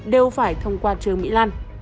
đều phải thông qua trương mỹ lan